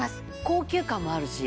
高級感もあるし。